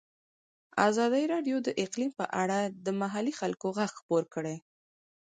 ازادي راډیو د اقلیم په اړه د محلي خلکو غږ خپور کړی.